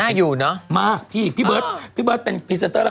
อยู่เนอะมาพี่พี่เบิร์ตพี่เบิร์ตเป็นพรีเซนเตอร์แล้ว